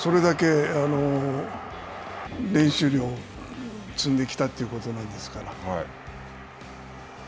それだけ練習量を積んできたということなんですから。